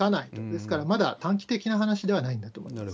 ですから、まだ短期的な話ではないんだと思います。